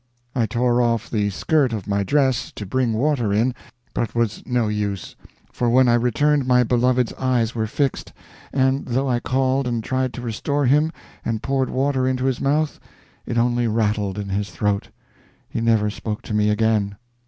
I tore off the skirt of my dress to bring water in, but was no use, for when I returned my beloved's eyes were fixed, and, though I called and tried to restore him, and poured water into his mouth, it only rattled in his throat. He never spoke to me again.